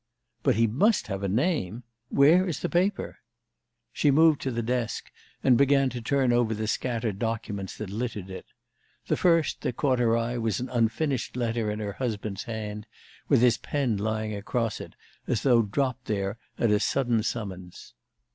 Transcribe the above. "But he must have a name! Where is the paper?" She moved to the desk, and began to turn over the scattered documents that littered it. The first that caught her eye was an unfinished letter in her husband's hand, with his pen lying across it, as though dropped there at a sudden summons.